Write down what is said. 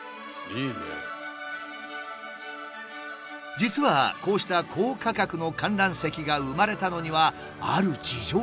実はこうした高価格の観覧席が生まれたのにはある事情があった。